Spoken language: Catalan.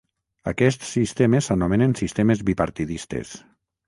Aquests sistemes s'anomenen sistemes bipartidistes.